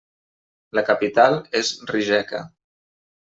La capital és Rijeka.